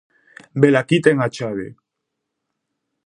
-Velaquí ten a chave.